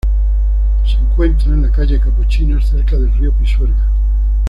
Se encuentra en la calle capuchinos, cerca del río Pisuerga.